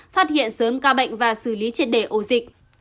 phát hiện sớm ca bệnh và xử lý triệt đề ổ dịch